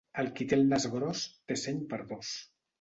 El qui té el nas gros té seny per dos.